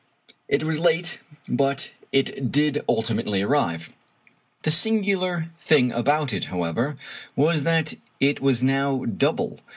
It was late, but it did ultimately arrive. The singular thing about it, however, was that it was now double.